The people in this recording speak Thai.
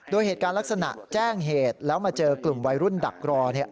โดยเหตุการณ์ลักษณะแจ้งเหตุแล้วมาเจอกลุ่มวัยรุ่นดักรอ